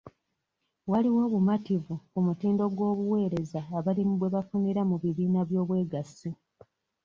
Waliwo obumativu ku mutindo gw'obuweereza abalimi bwe bafunira mu bibiina by'obwegassi.